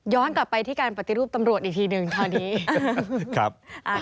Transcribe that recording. กลับไปที่การปฏิรูปตำรวจอีกทีหนึ่งคราวนี้